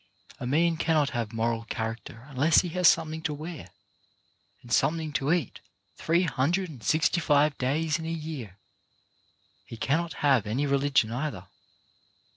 A man cannot have moral character unless he has something to wear, and something to eat three hundred and sixty five days in a year. He cannot have any religion either.